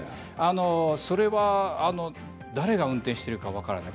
それは誰が運転しているか分からない。